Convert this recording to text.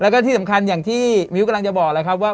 แล้วก็ที่สำคัญอย่างที่มิ้วกำลังจะบอกแล้วครับว่า